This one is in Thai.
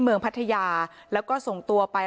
เมืองพัทยาแล้วก็ส่งตัวไป